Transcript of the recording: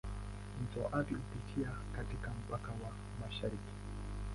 Mto Athi hupitia katika mpaka wa mashariki.